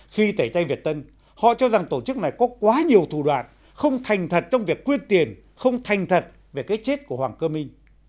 khi tẩy chay việt tân họ cho rằng tổ chức này có quá nhiều thủ đoạn không thành thật trong việc quyên tiền không thành thật về cái chết của hoàng cơ minh